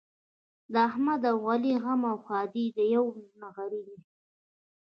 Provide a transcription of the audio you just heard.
د احمد او علي غم او ښادي د یوه نغري دي.